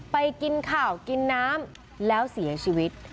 ไปกินข่าวกินน้ำแล้วเสียชีวิต